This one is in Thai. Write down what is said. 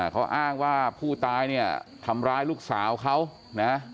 เขาอ้างว่าผู้ตายเนี่ยทำร้ายลูกสาวเขานะ